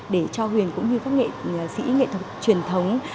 để cho huyền cũng như các nghệ sĩ nghệ thuật truyền thống